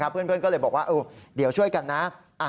เพื่อนก็เลยบอกว่าเดี๋ยวช่วยกันนะ